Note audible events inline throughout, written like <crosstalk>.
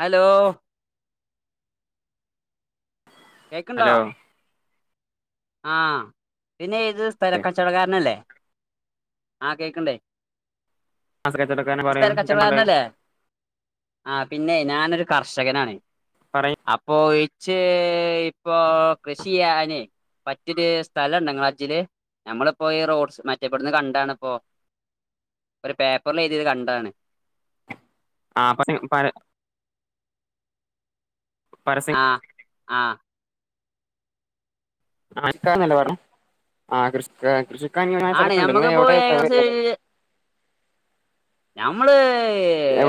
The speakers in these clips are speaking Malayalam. ഹലോ കേക്കണ്ടാ ഹലോ ആഹ പിന്നെ ഏത് സ്ഥലക്കച്ചവടക്കാരനല്ലേ ആഹ കേക്കണ്ടേ കച്ചവടക്കാരനെ പറയൂ സ്ഥല കച്ചറ എന്തുണ്ട് വാരന്നല്ലേ ആ പിന്നെ ഞാനൊരു കർഷകനാണ് പറയ് അപ്പൊ ച്ച് ഇപ്പൊ കൃഷിയിയന മറ്റൊരു സ്ഥലംുണ്ട ാ അജ്ജില് നമ്മളിപ്പോൊ ഈ റോഡ്സ് മറ്റേെപ്പോടന്ന് കണ്ടാണ്ിപ്പോൊ ഒരു പേപ്പറില് എഴുതിയത് കണ്ടതാണ് ആഹ് പ പ ആഹ് ആഹ് ആ എനിക്കന്നല്ല പറഞ്ഞ ആഹ കൃഷ കൃഷ ആണ് സ്ഥലക്കുണ്ട് ങ്ങളെവിടെ ഞമ്മക്കിപ്പോ എവിടെ സ്ഥലം ഏകദേശം വരുന്നത് ഒര് ഞമ്മള്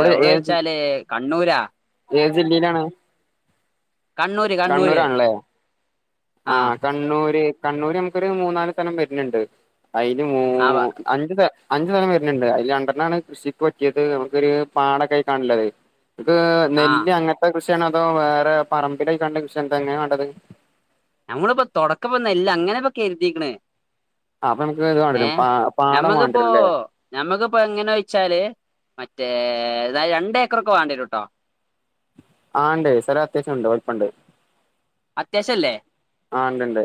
എവിടെ വെച്ചാല് കണ്ണൂരാ ഏത് ജില്ലയിലാണ് കണ്ണൂര് കണ്ണൂര് കണ്ണൂരാണല്ലേ ആഹ് കണ്ണൂര് കണ്ണൂര് നമുക്കൊരു മൂന്നാല് സലം വരുന്നുണ്ട് അതിൽ മൂ ആഹ് അഞ്ച് സ അഞ്ചു തലം വരുന്നുണ്ട് ആയില് രണ്ടണ്ണണ് കൃഷിക്ക് പറ്റിയത് നമുക്കൊരു പാടൊക്കെ ആയി കാണുള്ളത് നക്ക് ആഹ് നെല്ല് അങ്ങനത്തെ കൃഷിയണ അതോ വേറെ പറമ്പിലയി കാണ്ണെ കൃഷിന്ത എങ്ങനെയാ വേണ്ടത് ഞങ്ങളിപ്പോൊ തുടക്കപ്പനെല്ല് അങ്ങനെ ഇപ്പൊ കരുതിക്കണ് അപ്പൊ നമുക്ക് ഇത് വേണ്ടിവരും ഏഹ് പാടം നഞമ്മക്കിപ്പോ വേണ്ടിവരും അല്ലേ ഞമ്മക്കിപ്പോ എങ്ങനെ വെച്ചാല് മറ്റേ രണ്ട ഏക്കറോക്കെ വേണ്ടിയരും ട്ടോ ആഹ ഉണ്ട് സ്ഥലം അത്യാവശ്യണ്ട് വലിപ്പണ്ട് അത്യാവശ്യല്ലേ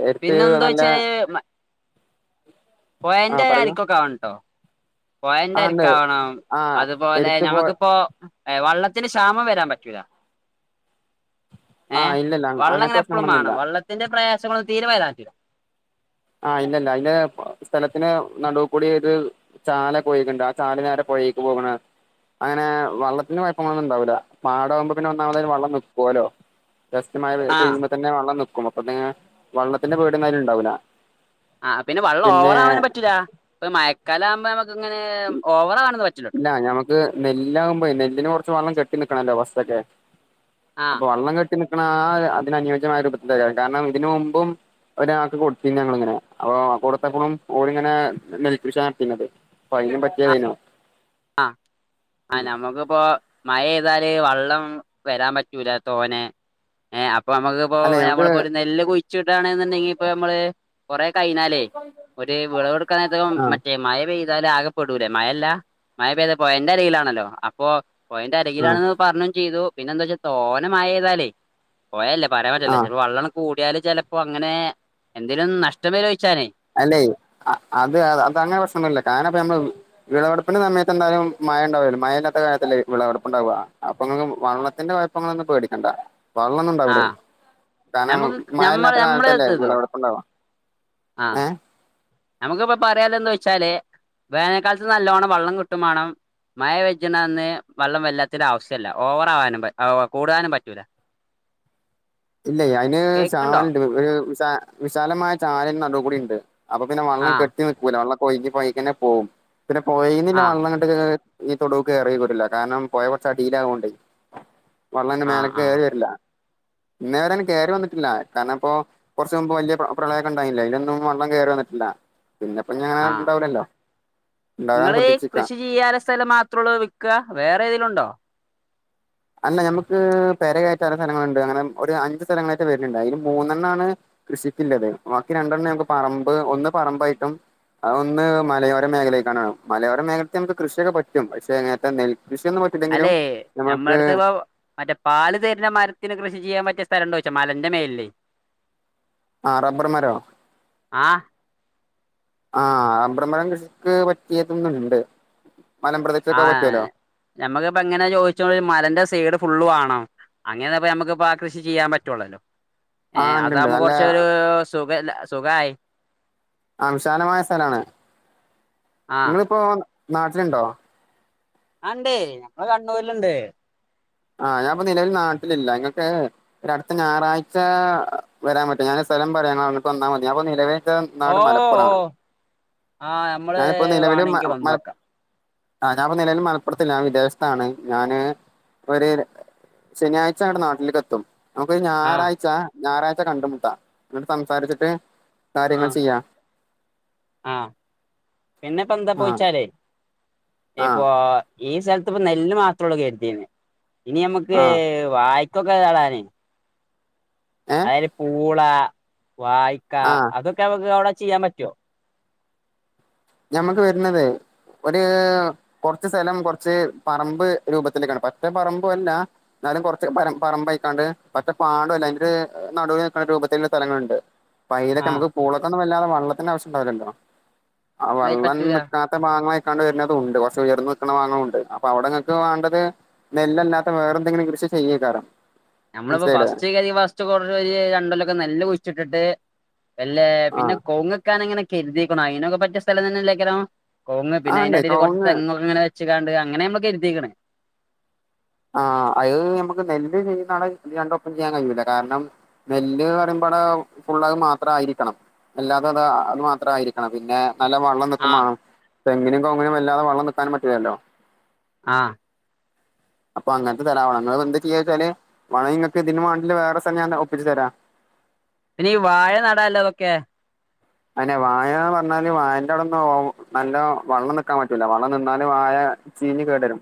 എടുത്ത് നല്ല പിന്നെന്തോയ്ച്ചാൽ ആ പോയെന്റെ പറയൂ അരിക്കൊകാവണട്ടോ ആ ഉണ്ട് പോയന്റെരിക്കാവണം ആ അതുപോലെ എടുത്ത് പോ ഞമ്മക്കിപ്പോ ഏ വള്ളത്തിന് ക്ഷാമം വരാൻ പറ്റൂലാ ആ ഏഹ് ഇല്ലല്ല വള്ളം അങ്ങനത്തെ ഇങ്ങനെ എപ്പോഴും പ്രശ്നങ്ങളൊന്നുമില്ല വേണം വള്ളത്തിൻറെ പ്രയാസങ്ങളൊന്നും തീരെവരാംപറ്റൂല ആഹ് ഇല്ലല്ല അതിന്റെ സ്ഥലത്തിന് നടുകൂടി ഇത് ചാലകോയിക്ണ്ട് ആ ചാല് നേരെ പോയി പൊഏക്ക് പോകണെ അങ്ങനെ വെള്ളത്തിന്റെ പയപ്പങ്ങളൊന്നുംണ്ടാവൂല്ല പാടമാകുമ്പ് പിന്നെ വന്നാമതല് വെള്ളം നൽക്കുവല്ലോ വ്യസ്യമായ ആ പെയ്യുമ്പോ തന്നെ വള്ളം നൽക്കും അപ്പൊ വെള്ളത്തിന്റെ പേട് എന്നായാലും ഉണ്ടാവില്ല ആ പിന്നെ വെള്ളം ഓവർ ആവാനൻ പറ്റൂില്ല ഇപ്പ മയക്കാലം ആകുമ്പോ നമുക്ക് ഇങ്ങനെ ഓവറ ആവന്ന് ഇല്ല ഞമ്മക്ക് നെല്ലാകുമ്പോയി നെല്ലിന് കുറച്ച് വെള്ളം കെട്ടി നിക്കണല്ലോ ഫസ്റ്റൊക്കെ ആ അപ്പൊ വള്ളം കെട്ടിനിക്ക്ണ ആ അതിന അനുയോജ്യമായ <unintelligible> കാരണം ഇതിന് മുമ്പും ഒരാക്ക് കൊടുതീനി ഇങ്ങനെ അപ്പൊ കൊടുത്തപ്പളും ഓലിങ്ങനെ നെൽ കൃഷി നടത്തിനെ അയിനും പറ്റിയതേയ്‌നു ആ ആ നമ്മുക്കിപ്പോ മഴ പെയ്താല് വള്ളം വരാൻ പറ്റൂല തോനെ അപ്പൊ നമുക്കിപ്പോ അല്ലെ ഞമ്മക്ക് നമ്മളിപ്പോൾ ഒരു നെല്ല് കുയിച്ചിടണ് പ്പോ നമ്മള് കൊറേ കയിഞ്ഞാലേ ഒരു വിള വെടുക്കാനേരത്തൊക്കെ ആഹ് മറ്റേ മഴ പെയ്യ താല് ആകെപ്പെടൂലേ മഴല്ല മയ പെയ്ത പൊയന്റെ അരികിലാണല്ലോ അപ്പോ പോയന്റെ ആഹ് അരികിലാണെന്ന് പറഞ്ഞൂൻ ചെയ്തു പിന്നെ എന്താ വെച്ചാ തോനെ മയയ്താലേ പോയല്ല പറയാൻ പറ്റില്ലേ ആഹ് ചിലപ്പോ വള്ളം കൂടിയാല് ചിലപ്പോ അങ്ങനെ എന്തേലും നഷ്ടം വ ചോദിച്ചാേ അല്ലെ അത് അത അങ്ങനെ പ്രശ്നന്നുല്ല കാരണം അപ്പ നമ്മ വിളവെടുപ്പിന്റെ സമയത്ത് എന്തായാലും മഴ ഉണ്ടാവല്ലോ മഴനത്തെ കാലത്തല്ലേ വിളവെടുപ്പ്ണ്ടാവാ അപ്പൊ നിങ്ങക്ക് വള്ളത്തിന്റെ കുഴപ്പം പേടിക്കേണ്ട വള്ളൊന്നും ആ ഉണ്ടാവുല്ല കാരണം നമുക്ക് നമ്മള് മഴയില്ലാത്ത നമ്മള് കാലത്തല്ലേ ഇത് ഇത് വിളവെടുപ്പുണ്ടാവ ഏ നമുക്കിപ്പം പറയാൻ ഉള്ളത് എന്താ വെച്ചാൽ വേനൽക്കാലത്ത് നല്ലവണം വെള്ളം കിട്ടും വേണം മഴ പേജ്ജ്ണന്ന് വെള്ളം വെല്ലാത്തിന്റെ ആവശ്യമല്ല ഓവറ ആവാനും കൂടവാനും പറ്റൂല <inaudible> ഇല്ല അതിന് കേക്ക്ണ്ടോ ചാലുണ്ട് ഒരു വിശ വിശാലമായ ചാലയിന്റെ നടുകൂടി ഉണ്ട് അപ്പൊ പിന്നെ വള്ളം ആഹ് കെട്ടി നിൽക്കൂല വള്ളംഒഴുകി പോയീകന്നെ പോകും പിന്നെ പൊയിന്നില്ല ആഹ് വള്ളംങ്ങട്ട് ഈ തൊടുക്കയറൂല്ല കാരണം പുഴ കുറച്ച് അടിയിൽ ആയോണ്ട് വെള്ളംഅയ്ന്റെ മേലെ ആഹ് ആഹ് കയറി വരില്ല ഇന്നേ വരെ കയറി വന്നിട്ടില്ല കാരണം ഇപ്പോ കുറച്ച മുമ്പ് വലിയ പ്രളയൊക്കെ ഉണ്ടായിനില്ല അതിനൊന്നും വെള്ളം കേറി വന്നിട്ടില്ല ഇല്ല അങ്ങനെ ഉണ്ടാവൂലല്ലോ ഉണ്ടാകാതെ നിങ്ങളി പ്രതീക്ഷിക്കാം കൃഷി ചെയ്യാനുള്ള സ്ഥലം മാത്രേള്ളൂ വിൽക്ക വേറെ ഏതെങ്കിലും ഉണ്ടോ അല്ല നമുക്ക് പേര കൈയറ്റാൻപല സ്ഥലങ്ങളുണ്ട് അങ്ങനെ ഒരു അഞ്ച് സ്ഥലങ്ങളായിട്ട് വരുന്നുണ്ട് അതിന് മൂന്നെണ്ണണ് കൃഷിക്കില്ലത് ബാക്കി രണ്ടെണ്ണം നമ്മക്ക് പറമ്പ് ഒന്ന് പറമ്പായിട്ടും അതൊന്ന് മലയോര മേഖലേക്കാണ് മലയോര മേഖലൽ നമുക്ക് കൃഷിയൊക്കെ പറ്റും പക്ഷെ അങ്ങനത്തെ കൃഷിയൊന്നും പറ്റില്ലെങ്കിലും അല്ലെ നമ്മക്ക് നമ്മളടുത്ത് മറ്റേ പാല് തേരുന്ന മരത്തിന് കൃഷി ചെയ്യാൻ പറ്റിയ സ്ഥലംണ്ടോച്ച മലന്റെ മേലേ ആ റബ്ബർ മരോ ആഹ് ആ റബ്ബർ മരം കൃഷിക്ക് പറ്റിയതൊന്നും ഇണ്ട് ആ നമുക്കിപ്പ എങ്ങനെ ചോദിച്ച മലന്റെ സൈഡ് ഫുള്ള് വേണോ അങ്ങനപ്പ നമുക്ക്പ്പ കൃഷി ചെയ്യാൻ പറ്റുള്ളല്ലോ ആ ഏർ ഉണ്ട്ണ്ട് അതാകുമ്പോൾ നല്ല കുറച്ച ഒരു സുഖല്ല സുഖായി ആ വിശാലമായ സ്ഥലാണ് ആഹ് നിങ്ങിപ്പോ നാട്ടിലുണ്ടോ ആണ്ട് ഞമ്മൾ കണ്ണൂരിലുണ്ട് ആ ഞാൻപ്പ നിലൽ നാട്ടിലില്ല ഇങ്ങക്ക് ഒ അടുത്ത ഞായറാഴ്ച വരാൻ പറ്റോ ഞാൻ സ്ഥലം പറയാം നിങ്ങൾ അങ്ങോട്ട് വന്നാമതി ഞാൻ നിലവിൽ ഇന്റെ ഓ നാട് ഓ മലപ്പുറാണ് ആ നമ്മള് ഞാനിപ്പോ നിലൽ മ വാണെങ്കി മല വന്നോക്കാം ആ ഞാൻ ഇപ്പ നിലൽ മലപ്പുറത്തില്ല വിദേശത്താണ് ഞാന് ഒരു ശനിയാഴ്ച നാട്ടിലേക്ക് എത്തും നമുക്കൊരു ആ ഞായറാഴ്ചാ ഞായറാഴ്ച കണ്ടുമുട്ടാ എന്നിട്ട് സംസാരിച്ചിട്ട് ആ കാര്യങ്ങൾ ചെയ്യാ ആ പിന്നെപ്പോ എന്താ ആഹ് പോയിച്ചാലേ ഇപ്പൊ ആഹ് ഈ സ്ഥലത്ത് ഇപ്പ നെല്ല് മാത്രമേള്ളൂ കരുതിേ ഇനി നമ്മുക്ക് ആഹ് വ <unintelligible> അന ഏഹ് അയില് പൂള വായിക്ക ആഹ് അതൊക്കെ നമ്മക്ക് അവിടെ ചെയ്യാൻ പറ്റോ ഞമ്മക്ക് വരുന്നത് ഒരു കുറച്ച് സ്ഥലം കുറച്ച് പറമ്പ് രൂപത്തിലേക്കാണ് പറ്റേ പറമ്പല്ല എന്നാലും കുറച്ച് പ പറമ്പഴക്കാണ്ട് മറ്റേ പാടം അല്ല അ ഒരു നടുവി നൽക്ക രൂപത്തിലുള്ള സ്ഥലങ്ങളുണ്ട് പൈലൊക്കെ ആ നമുക്ക് പൂളൊക്കൊന്നും വല്ലാതെ വള്ളത്തിന്റെ ആശ്യംണ്ടാവില്ലല്ലോ ആ വെള്ളം പറ്റൂല നൽക്കാത്ത ഭാഗങ്ങളെ വരണ്ട് കുറേ ഉയർന്ന് നിക്കണ വാനം ഉണ്ട് അവിടെങ്ങക്ക് വേണ്ടത് നെല്ലല്ലാത്ത വേറെന്തെങ്കിലും കൃ സ കാരണം നമ്മളിപ്പോ ഫസ്റ്റ് ക ഫസ്റ്റ് കുറ ഒരുര് രണ്ടല്ലൊക്കെ നെല്ല് കുഴിച്ചിട്ടിട്ട് അല്ലെ പിന്നെ ആഹ് കോങ്ങക്കാൻ അങ്ങനെ എരുതിയിക്കണോ അതിനനൊക്കെ പറ്റിയ സ്ഥലം തന്നെല്ലേക്കനോ കൊങ്ങ് പിന്നെ ആഹ് അതിന്റെ ഇണ്ടേ അടിയിൽ കുറച്ച് കവുങ്ങ് തെങ്ങ് അങ്ങനെ വെച്ചക്കാണ്ട് അങ്ങനെ നമ്മക്ക് എരുത്തീക്കണ ആ അത് നമുക്ക് നെല്ല് ചെയ്യുന്ന ആളെ <unintelligible> ഒപ്പം ചെയ്യാൻ കഴിയൂല്ല കാരണം നെല്ല് ന്ന്പറയുമ്പോ നമ്മടെ ഫുള്ളത് മാത്ര ആയിരിക്കണം അല്ലാതെ അത് അത് മാത്രയിരിക്കണം പിന്നെ നല്ല വെള്ളം നിൽക്കുമ്പ ആഹ് വേണം തെങ്ങിനും കവുങ്ങിനും വല്ലാതെ വെള്ളം നിക്കാൻ പറ്റുലല്ലോ ആ അപ്പൊ അങ്ങനത്തെ <unintelligible> എന്ത് ചെയ്യാ വെച്ചാല് പണി നിങ്ങക്ക് ഇതിന് വേണ്ടില് വേറെ സ്ഥലം ഞാ ഒപ്പിച്ച് തരാം പിന്നെ ഈ വാഴ നടല്ല അതൊക്കെ അന്നെ വായന്ന് പറഞ്ഞാല് വായന്റെ അടൊന്നും നല്ലോ വള്ളം നിക്കാൻ പറ്റൂല വള്ളം നിന്നാല് വായ ചീനി കേടരും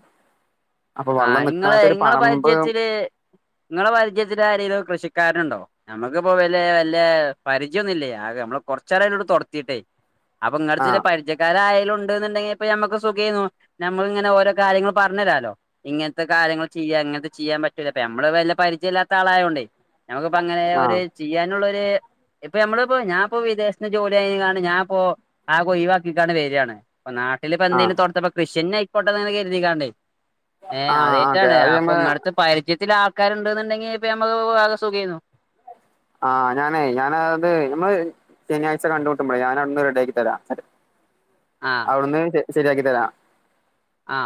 അപ്പൊ ആ വള്ളം ഇങ്ങളെ നിക്കാത്തൊരു ഇങ്ങള പറമ്പ് പരിചയത്തില് നിങ്ങളെ പരിചയത്തില് ആരെലും കൃഷി കാരണ്ടോ നമുക്കിപ്പോ വല വല്ല പരിചയന്നുല്ല ആകെ നമ്മള് കൊറച്ചറോടെ തുറത്തിട്ടേ അപ്പൊ ആ ഇങ്ങത്തെ ചെ പരിചയക്കാരായ ണ്ട്ന്ന്ണ്ടെങ്കി ഇപ്പ നമുക്ക് സുഖം നമ്മളിങ്ങനെ ഓരോ കാര്യങ്ങള് പറഞ്ഞു തരാല്ലോ ഇങ്ങനത്തെ കാര്യങ്ങൾ ചെയ്യ അങ്ങനത്തെ ചെയ്യാൻ പറ്റൂല നമ്മള് വല്ല പരിചയില്ലാത്ത ആളായോണ്ടേ നമുക്കിപ്പോ അങ്ങനെ ആ ഒരു ചെയ്യാനുള്ളരു ഇപ്പൊ നമ്മളിപ്പോ ഞാൻപ്പോ വിദേശത്ത് ജോലി ആയ ഞാൻ ഇപ്പോ ആക ഒഴിവാക്കിട്ടാണ്ട് വരിയാണ് ഇപ്പ നാട്ടിലിപ്പൊ ആ എന്തേലും തൊത്തപ്പ കൃഷി തന്നെ ആയിക്കോട്ടങ്ങെ കരുതിക്കാണ്ട് ഏ ആ ഓക്കെ അതേറ്റാണ് അത് അപ്പൊ ഞമ്മള് ഇങ്ങടുത്തെ പരിചയത്തില ആ ആൾക്കാരുണ്ടന്നുണ്ടെങ്കി ഇപ്പ നമ്മക്ക് ആകെ സുഖായിരുന്നു ആ ഞാനേ ഞാന അത് നമ്മള് ശനിയാഴ്ച കണ്ട കൂട്ടുമ്പോളെ ഞാൻ അവിടുന്ന് റടിയാക്കി തരാം അവിടുന്ന് ശരിയാക്കി തരാം ആ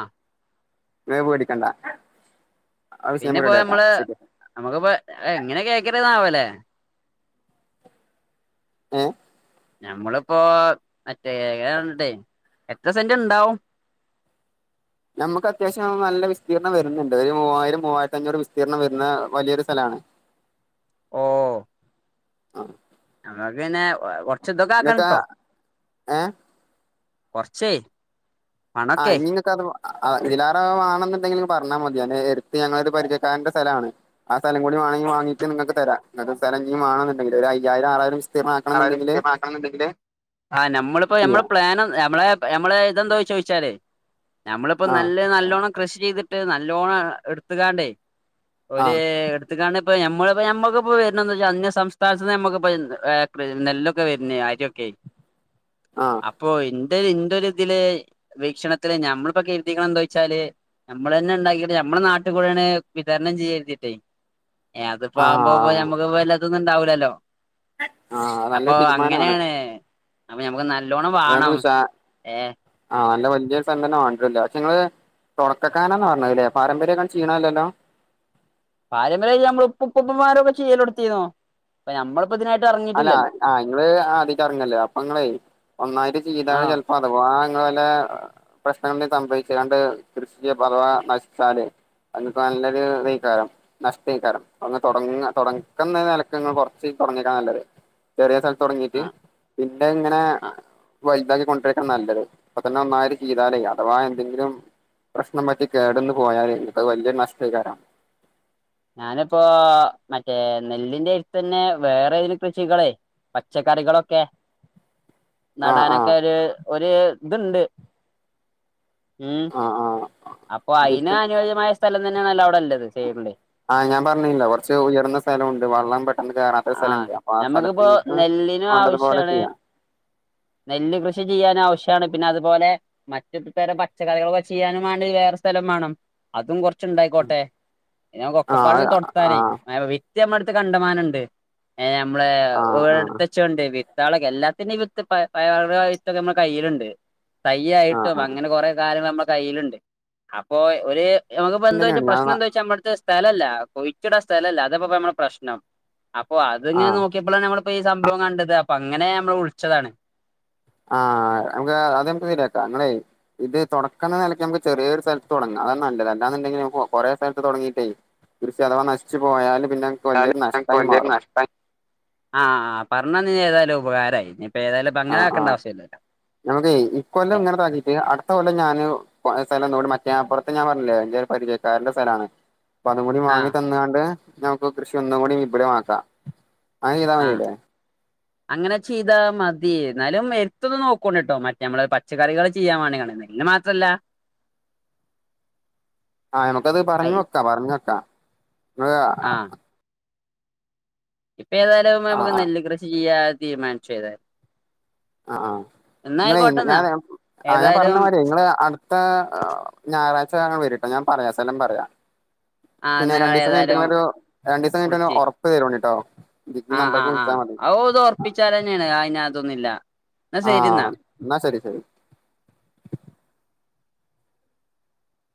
പിന്നെ പേടിക്കണ്ട ആ വിഷയം പിന്നെ നമുക്ക് പോയ റെഡിയാക്കാം നമ്മള് ശരി നമ്മുക്കിപ്പോ എങ്ങനെ കേൾക്ക്ണ്താവല്ലേ ആ ഞമ്മളിപ്പോ മറ്റേ ണ്ടേ എത്ര സെന്റ് ഇണ്ടാവും നമുക്ക് അത്യാവശ്യ നല്ല വിസ്തീർണ്ണം വരുന്നുണ്ട് ഒരു മൂവായിരം മൂവായിരത്തി അഞ്ഞൂറ് വിസ്തീർണ്ണം വരുന്ന വലിയൊരു സ്ഥലമാണ് ഓ നമ്മക്ക് പിന്നെ കുറച്ച് ഇങ്ങക്ക് ദൊക്കെക്കാൻട്ടോ ഏഹ് കൊർച്ചേ ആഹ് നിങ്ങക്ക് അത് ആ ഇതിലാര വേണെന്നുണ്ടെങ്കില് പറഞ്ഞാ മതി ഞാൻ നേരത്ത് ഞങ്ങടൊരു പരിചയക്കാരന്റെ സ്ഥലാണ് ആ സ്ഥലം കൂടി ആണെ വാങ്ങട്ട് നിങ്ങക്ക് തരാ നി സ്ഥലം ഇനിം വേണെന്നണ്ടെങ്കിൽ ഒരു അയ്യായിരം ആറായിരം വി ആ നമ്മളിപ്പോ നമ്മ ചെയ്യാം പ്ലാൻ നമ്മള നമ്മ ഇതെന്താ ചോദിച്ചാലേ നമ്മളിപ്പ ആഹ് നല്ല നല്ലോണം കൃഷി ചെയ്തിട്ട് നല്ലോണം എടുത്തക്കാണ്ടേ ഒരു ആഹ് എടുത്ത്ക്കാണ്ട് ഇപ്പഞമ്മളിപ്പോ നമ്മക്കിപ്പോ വരുന്ന എ വെച്ചാ അന്യ സംസ്ഥാനത്ത് നി നമ്മക്കിപ്പ നെല്ലൊക്കെ വരുന്ന ആരിയൊക്കെയി ആഹ് അപ്പോ എ എന്റൊരിതില് വീക്ഷണത്തില് ഞമ്മളിപ്പോ കരുതീക്കണ എന്താ വെച്ചാല് നമ്മള് തന്നെ ഉണ്ടാക്കിട്ട നമ്മെ നാട്ടിൽ കൂടാണ് വിതരണം ചെയ്യ കരുതിട്ടേ ഏ അതിപ്പോകുമ്പോ ആഹ് നമ്മക്ക് വല്ലാത്തൊന്നും ഇണ്ടാവില്ലല്ലോ ആഹ് നല്ല അപ്പൊ അങ്ങനെയാണ് അപ്പൊ നമ്മ അ ഞക്ക് വിശാ ആഹ് നല്ല വല്യയ സംന്ന വേണ്ടിട്ടില്ല പക്ഷെ നിങ്ങള്ങ്ങള് തുടക്കക്കാനന്ന് പറഞ്ഞല്ലേ പാരമ്പര്യങ്ങ ക്ഷീണല്ലല്ലോ പാരമ്പര്യഞമ്മൾ ഉപ്പുംപ്പപ്പുംമാരം ഒക്കെ ചെയ്യലെടുത്തിന്നോ നമ്മള് ഇതിനായിട്ട് അല്ല ഇറങ്ങിയിട്ടില്ലല്ലോ ആ നിങ്ങള് ആദ്യിക്ക ഇറങ്ങല്ലേ അപ്പൊ നിങ്ങളെ ഒന്നായിരം ചെയ്താ ആഹ് ചിലപ്പോ അഥവാ ല പ്രശ്നങ്ങളിൽ സംഭവിച്ചു അതണ്ട് കൃഷിക്ക് പഥവ നശിച്ചാല് അ നല്ലൊരു ഇതക്കാരം നഷ്ടക്കാരം അടങ്ങ തുടക്കുന്ന നിലക്കങ്ങൾ കുറച്ച് തുടങ്ങിട്ട നല്ലത് ചെറിയ സ്ഥലത്ത് തുടങ്ങീട്ട് ആഹ് പിന്നെ ഇങ്ങനെ ആഹ് വലുതാക്കി കൊണ്ടരാൻ നല്ലത് അപ്പൊ തന്നെ ഒന്നായര് ചെയ്താലേ അഥവാ എന്തെങ്കിലും പ്രശ്നം പറ്റി കേടന്ന പോയാല അത് വലിയ നഷ്ടകാരാണ് ഞാനിപ്പോ മറ്റേ നെല്ലിന്റെ അടുത്ത് തന്നെ വേറെ ഏതിലും കൃഷികളേ പച്ചക്കറികളൊക്കെ ആഹ് നടാനൊക്കെ ആഹ് ഒരു ഒരു ഇതുണ്ട് ഉം ആഹ് ആഹ് അപ്പൊ അയ്ന് ഉദ്ദേശിക്ക്ണ്ട് അനുയോജ്യമായ സ്ഥലം തന്നെയണല്ല അവിടെല്ലത് ചെയ്യണ്ട ആ ഞാൻ പറഞ്ഞില്ല കുറച്ച് ഉയർന്ന സ്ഥലമുണ്ട് വള്ളം ആ നമ്മക്കിപ്പോ നിങ്ങൾക്ക് നെല്ലിനും വേണ്ടതുപോലെ ആവശ്യമാണ് ചെയ്യാം നെല്ല് കൃഷി ചെയ്യാൻ ആവശ്യമാണ് പിന്നെ അതുപോലെ മറ്റ പേരെ പച്ചക്കറികളൊക്കെ ചെയ്യാനും വേണ്ട വേറെ സ്ഥലം വേണം അതും കുറച്ച് ഉണ്ടായിക്കോട്ടെ നമക്ക് ആഹ് ഒക്കപ്പാടം തൊടത്താനേ ആഹ് വിറ്റ് നമ്മ അടുത്ത് കണ്ടമാനം ഉണ്ട് നമ്മള് ആഹ് ആഹ് എടുത്തച്ചോണ്ട് ഇളൊക്കെ എല്ലാത്തിനും ഇക്കെ നമ്മുടെ കയ്യിലുണ്ട് ആഹ് തയ്യയിട്ടും ആഹ് അങ്ങനെ കൊറെ കാര്യങ്ങള് നമ്മുടെ കയ്യിലുണ്ട് അപ്പോ ഒരു നമുക്കിപ്പോ എന്താ വെച്ചാ തന്നെയാണ് ഞാൻ പ്രശ്ന എന്താ വെച്ചാ നമ്മടത്തെ സ്ഥലല്ല കൊഴിച്ചൂട സ്ഥലല്ല അതപ്പ നമ്മടെ പ്രശ്നം ഓ അത്ങ്ങനെ ആഹ് നോക്കിയപ്പോഴാണ് നമ്മളപ്പോ ഈ സംഭവം കണ്ടത് അപ്പൊ അങ്ങനെ നമ്മൾ വിളിച്ചതാണ് ആഹ നമക്ക് അത് നമുക്ക് ശരിയാക്കാം നിങ്ങളെ ഇത് തുടക്കണ നിലക്ക് നമുക്ക് ചെറിയൊരു സ്ഥലത്ത് തുടങ്ങാം അതാ നല്ലത് അല്ലാന്ന്ണ്ടങ്കിൽ കൊ കൊറേസ്ഥലത്ത് തൊടങ്ങിട്ടയ് കൃഷി അഥവാ നശ്ചു പോയാലും. <inaudible> ആ പറഞ്ഞന്നത് ഏതായാലും ഉപകാരയി ആ ആ നമക്ക് ഇ കൊല്ലം ഇങ്ങനെ <unintelligible> അടുത്ത കൊല്ലം ഞാന് പ്പ സ്ഥലംന്നൂടി മറ്റേ ആപ്പുറത്തെ ഞാൻ പറഞ്ഞില്ലേ എൻ്റെ പരിചയക്കാരൻ്റെ സ്ഥലാണ് അപ്പൊ അതും കൂടി വാങ്ങി ആഹ് തന്നാണ്ട് നമുക്ക് കൃഷി ഒന്നും കൂടി വിഭുലമാക്കാ ആഹ് <unintelligible> അങ്ങനെ ചെയ്താ മതി എന്നാലും എര്ത്തൊന്നു നോക്കൂണ്ട്ട്ടോ മറ്റേ നമ്മള് പച്ചക്കറികൾ ചെയ്യാൻ പണിയാണ് ഇന്ന് മാത്രല്ല ആ നമുക്കത് പറഞ്ഞ് വെക്കാ പറഞ്ഞ് വെക്കാ ങ്ങൾ ആ ഇപ്പ ഏതായാലും ആ നമക്ക് ആ നെല്ല് കൃഷിചെയ്യാ തീരുമാനിച്ചു ഏതായാലും ആ ആ എന്നാ ഇങ്ങളെ മ് ആയിക്കോട്ടെന്നാ ഞാൻ ആ ഞാൻ പറഞ്ഞ ഏതായാലും മാതിരി ങ്ങള് അടുത്ത ഞായറാഴ് ച വരിട്ടോ ഞാൻ പറയാം സ്ഥലം പറയാം ആഹ് പിന്നെ നിങ്ങള് രണ്ടീസം കഴിനിട്ട് ഏതായാലും ഇന്നൊരു രണ്ടീസം കഴിനിട്ട്ന്ന് ഒര് ഒറപ്പ് തരോണ്ടിട്ടോ ഈ ആ ആ നമ്പർക്ക് ആ വിളിച്ചാൽ മതി അയ് ഓൾത് ഒറപ്പിച്ചാരെന്നെയാണ് അയിന് അതൊന്നില്ല ആ ഇന്നാ ശരി ശരി